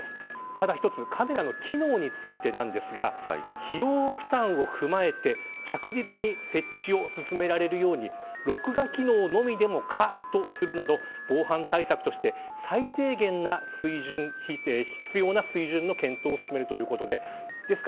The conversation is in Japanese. ただ、カメラの機能についてなんですが費用負担を踏まえて着実に設置を進められるように録画機能のみでも可とするなど防犯対策として最低限な必要な、水準の検討を進めるということです。